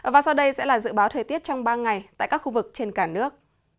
và sau đây sẽ là dự báo thời tiết trong ba ngày tại các khu vực trên cả nước